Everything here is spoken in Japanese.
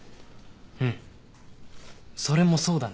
うんそれもそうだね。